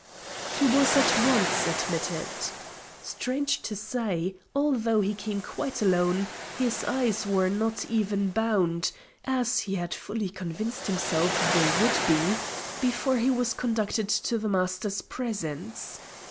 He was at once admitted. Strange to say, although he came quite alone, his eyes were not even bound as he had fully convinced himself they would be before he was conducted to the Master's presence.